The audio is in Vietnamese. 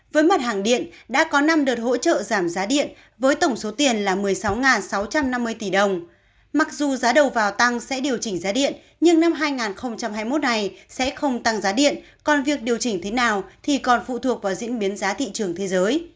với mặt hàng điện đã có năm đợt hỗ trợ giảm giá điện với tổng số tiền là một mươi sáu sáu trăm năm mươi tỷ đồng mặc dù giá đầu vào tăng sẽ điều chỉnh giá điện nhưng năm hai nghìn hai mươi một này sẽ không tăng giá điện còn việc điều chỉnh thế nào thì còn phụ thuộc vào diễn biến giá thị trường thế giới